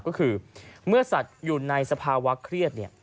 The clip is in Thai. ก็คือเมื่อสัตว์อยู่ในสภาวะเครียดเนี่ย